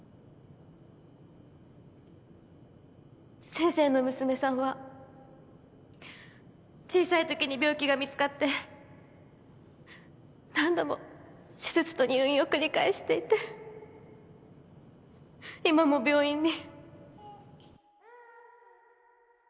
先生の娘さんは小さいときに病気が見つかって何度も手術と入院を繰り返していて今も病院に。